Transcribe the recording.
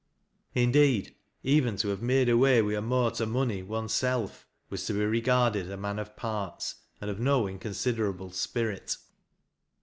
Indeed even to have " made away wi' a mort o' money " one's self, was to be regarded a man of parts and of uo inconsiderable spirit.